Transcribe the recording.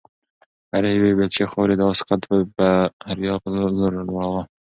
هرې یوې بیلچې خاورې د آس قد د بریا په لور لوړاوه.